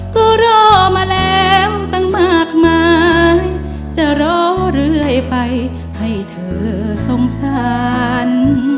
ก็รอมาแล้วตั้งมากมายจะรอเรื่อยไปให้เธอสงสาร